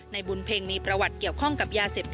ในบุญเพ็งมีประวัติเกี่ยวข้องกับยาเสพติด